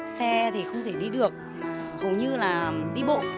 xe thì không thể đi được hầu như là đi bộ